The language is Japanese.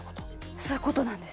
そういう事なんです。